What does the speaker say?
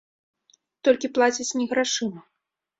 Толькі плацяць не грашыма.